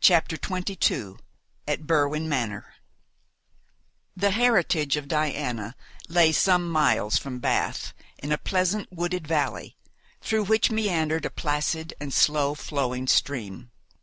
CHAPTER XXII AT BERWIN MANOR The heritage of Diana lay some miles from Bath, in a pleasant wooded valley, through which meandered a placid and slow flowing stream.